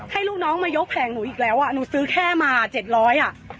ลูกน้องมายกแผงหนูอีกแล้วอ่ะหนูซื้อแค่มาเจ็ดร้อยอ่ะ